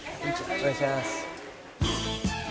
お願いします。